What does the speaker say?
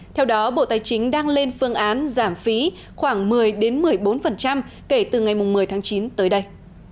theo đó bộ tài chính đang lên phương án giảm phí khoảng một mươi một mươi bốn kể từ ngày một mươi tháng chín tới đây